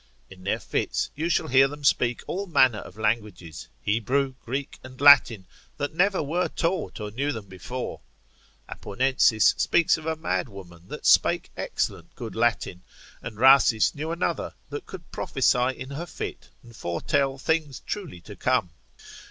In their fits you shall hear them speak all manner of languages, Hebrew, Greek, and Latin, that never were taught or knew them before. Apponensis in com. in Pro. sec. 30. speaks of a mad woman that spake excellent good Latin: and Rhasis knew another, that could prophecy in her fit, and foretell things truly to come.